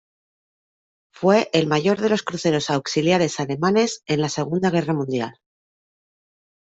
Fue el mayor de los cruceros auxiliares alemanes en la Segunda Guerra Mundial.